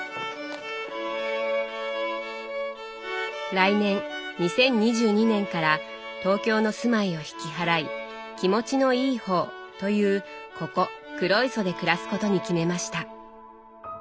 来年２０２２年から東京の住まいを引き払い「気持ちのいい方」というここ黒磯で暮らすことに決めました。